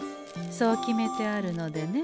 そう決めてあるのでね。